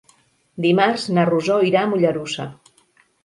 Dimarts na Rosó irà a Mollerussa.